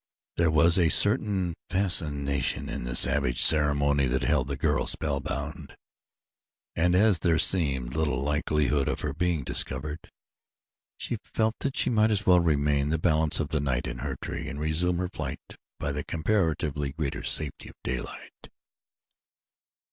There was a certain fascination in the savage ceremony that held the girl spellbound, and as there seemed little likelihood of her being discovered, she felt that she might as well remain the balance of the night in her tree and resume her flight by the comparatively greater safety of daylight.